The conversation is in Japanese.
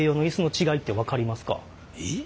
えっ？